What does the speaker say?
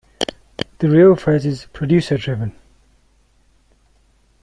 The real phrase is 'producer driven'.